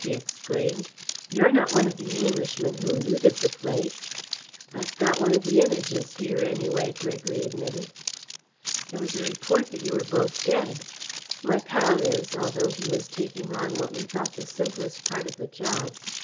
he exclaimed. "You're not one of the Englishmen who looted the place?" "I've got one of the Images here, anyway," Gregory admitted. "There was a report that you were both dead." "My pal is, although he was taking on what we thought the simplest part of the job.